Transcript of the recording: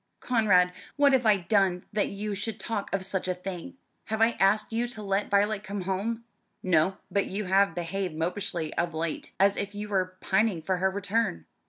"Conrad, what have I done that you should talk of such a thing? Have I asked you to let Violet come home?" "No, but you have behaved mopishly of late, as if you were pining for her return."